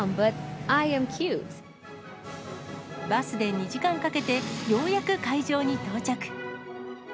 バスで２時間かけて、ようやく会場に到着。